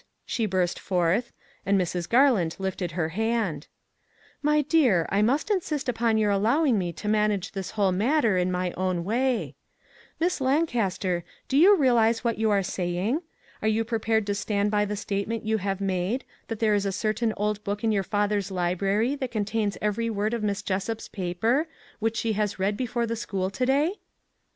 she burst forth, and Mrs. Garland lifted her hand. " My dear, I must insist upon your allowing me to manage this whole matter in my own 382 "THE EXACT TRUTH" way. Miss Lancaster, do you realize what you are saying? Are you prepared to stand by the statement you have made, that there is a certain old book in your father's library that contains every word of Miss Jessup's paper which she has read before the school to day?